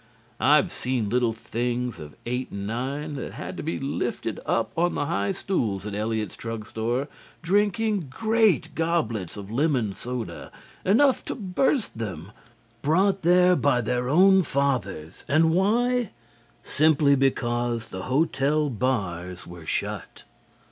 I've seen little things of eight and nine that had to be lifted up on the high stools at Eliot's drug store, drinking great goblets of lemon soda, enough to burst them brought there by their own fathers, and why? Simply because the hotel bars were shut.